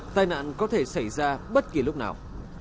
tai nạn có thể xảy ra bất kỳ lúc nào